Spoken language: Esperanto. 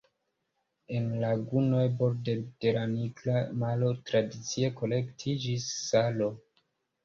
En lagunoj borde de la Nigra Maro tradicie kolektiĝis salo.